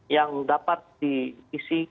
yang dapat diisi